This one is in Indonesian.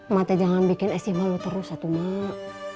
mata jangan bikin esimah lo terus ya tuh mak